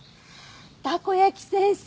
たこ焼き先生！